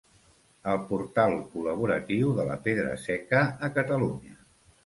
El portal col·laboratiu de la pedra seca a Catalunya.